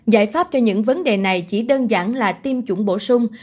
giải pháp cho những vấn đề này chỉ đơn giản là tiêm chủng bổ sung